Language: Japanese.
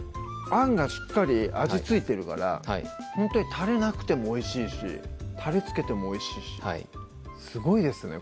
あんがしっかり味付いてるからほんとにタレなくてもおいしいしタレつけてもおいしいしすごいですね